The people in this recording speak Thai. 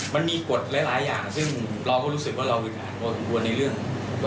มันมีกฎหลายอย่าง